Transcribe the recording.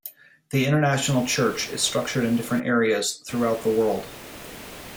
The international church is structured in different areas throughout the world.